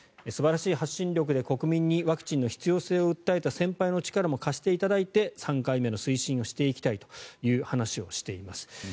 素晴らしい発信力で国民にワクチンの必要性を訴えた先輩の力も貸していただいて３回目の推進をしていきたいという話をしています。